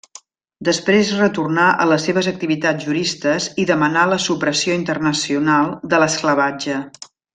Després retornà a les seves activitats juristes i demanà la supressió internacional de l'esclavatge.